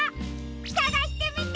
さがしてみてね！